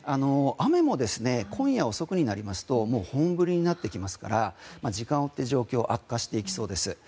雨も今夜遅くになると本降りになってきますから時間を追って状況、悪化していきそうです。